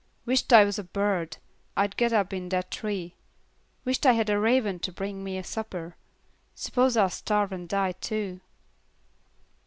"Wisht I was a bird, I'd get up in that tree. Wisht I had a raven to bring me my supper s'pose I'll starve and die too."